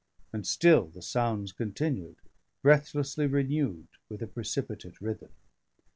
And still the sounds continued, breathlessly renewed with a precipitate rhythm.